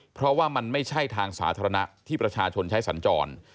เพราะว่ามันไม่ใช่ทางสาธารณะที่ประชาชนใช้สัญจร